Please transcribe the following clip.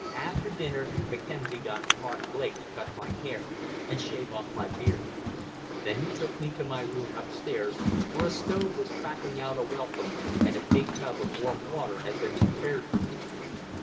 After dinner Mackenzie got Mark Blake to cut my hair and shave off my beard. Then he took me to my room upstairs, where a stove was crackling out a welcome and a big tub of warm water had been prepared for me.